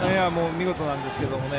見事なんですけどね。